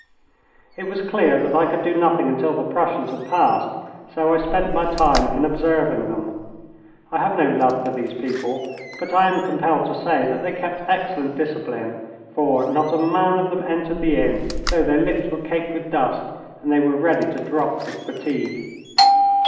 It was clear that I could do nothing until the Prussians had passed, so I spent my time in observing them. I have no love for these people, but I am compelled to say that they kept excellent discipline, for not a man of them entered the inn, though their lips were caked with dust and they were ready to drop with fatigue.